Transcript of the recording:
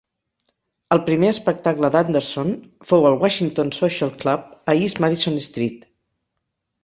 El primer espectacle d'Anderson fou al Washington Social Club a East Madison Street.